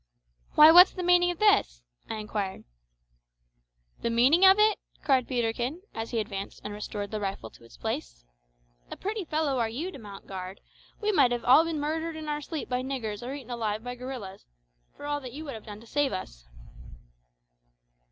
"Why, what's the meaning of this?" I inquired. "The meaning of it?" cried Peterkin, as he advanced and restored the rifle to its place. "A pretty fellow you are to mount guard! we might have been all murdered in our sleep by niggers or eaten alive by gorillas, for all that you would have done to save us."